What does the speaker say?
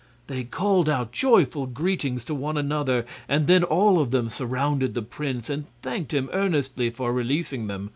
They called out joyful greetings to one another, and then all of them surrounded the prince and thanked him earnestly for releasing them.